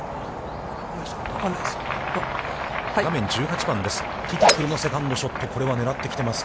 画面１８番です。